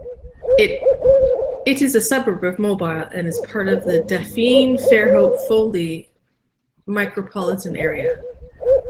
It is a suburb of Mobile and is part of the Daphne-Fairhope-Foley micropolitan area.